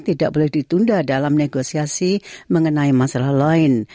tidak boleh ditunda dalam negosiasi mengenai masalah lain